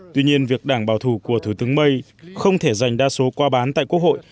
tuy nhiên việc đảng bảo thủ của thủ tướng may không thể giành đa số qua bán tại quốc hội